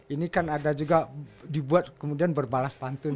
ini kan ada juga dibuat kemudian berbalas pantun